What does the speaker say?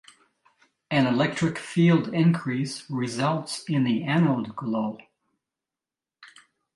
An electric field increase results in the anode glow.